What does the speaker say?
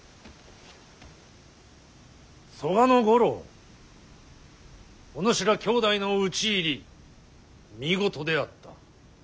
曽我五郎おぬしら兄弟の討ち入り見事であった。